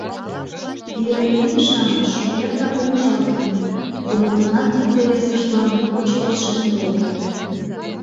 Пире иге-шамыч шукертак помыжалтыныт, кумытынат икте весыштлан моткоч келшен толыт.